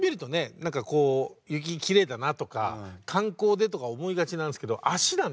何かこう雪きれいだなとか観光でとか思いがちなんですけど足なんですもんね。